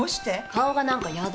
顔が何か嫌だ。